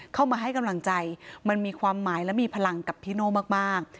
เข้ามาให้กำลังใจมันมีความหมายและมีพลังกับพี่โน่มาก